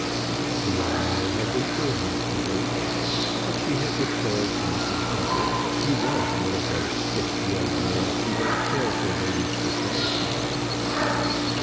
The young man had been courteous to her, but she had declared to Mrs. Duffer that he was one of those stiff young men who don't care for ladies' society.